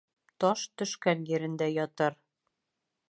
Таш төшкән ерендә ятыр.